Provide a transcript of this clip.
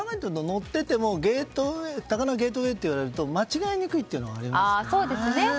乗っていても高輪ゲートウェイといわれると間違えにくいというのはありますよね。